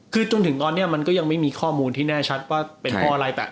คือจนถึงตอนนี้มันก็ยังไม่มีข้อมูลที่แน่ชัดว่าเป็นเพราะอะไรแต่